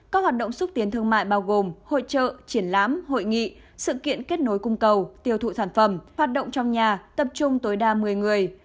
các hoạt động xúc tiến thương mại bao gồm hội trợ triển lãm hội nghị sự kiện kết nối cung cầu tiêu thụ sản phẩm hoạt động trong nhà tập trung tối đa một mươi người